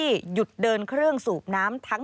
สวัสดีค่ะสวัสดีค่ะ